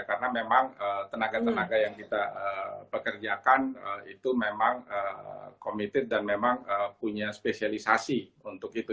karena memang tenaga tenaga yang kita pekerjakan itu memang committed dan memang punya spesialisasi untuk itu